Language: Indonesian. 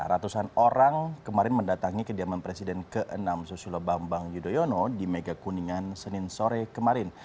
ratusan orang kemarin mendatangi kediaman presiden ke enam susilo bambang yudhoyono di megakuningan senin sore kemarin